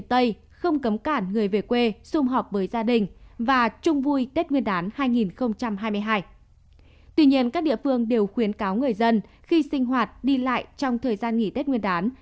tuy nhiên các địa phương đều khuyến cáo người dân khi sinh hoạt đi lại trong thời gian nghỉ tết nguyên đán